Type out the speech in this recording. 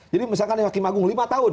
jadi misalkan yang hakim agung lima tahun